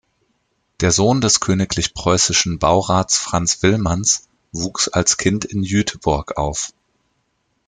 Der Sohn des Königlich Preußischen Baurats Franz Wilmanns wuchs als Kind in Jüterbog auf.